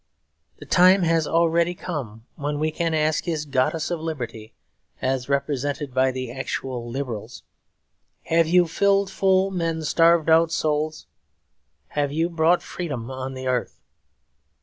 The time has already come when we can ask his Goddess of Liberty, as represented by the actual Liberals, 'Have you filled full men's starved out souls; have you brought freedom on the earth?'